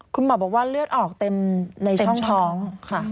คุณหมอบอกว่าเลือดออกเต็มในช่องท้องค่ะ